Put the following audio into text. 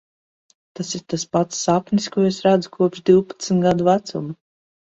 Tas ir tas pats sapnis, ko es redzu kopš divpadsmit gadu vecuma.